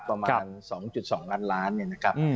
ประมาณ๒๒ล้านล้านนะครับ